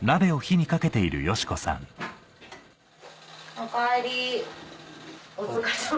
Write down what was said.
おかえりお疲れさま。